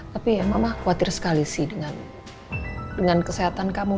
tapi mama khawatir sekali sih dengan kesehatan kamu